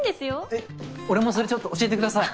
えっ俺もそれちょっと教えてください。